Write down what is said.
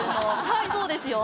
はい、そうですよ。